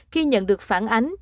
khi nhận được phản ánh